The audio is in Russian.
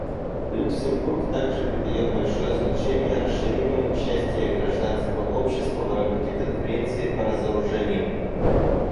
Люксембург также придает большое значение расширению участия гражданского общества в работе Конференции по разоружению.